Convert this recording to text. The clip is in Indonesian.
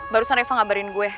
barusan reva ngabarin gue